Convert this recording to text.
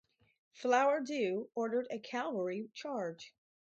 Flowerdew ordered a cavalry charge.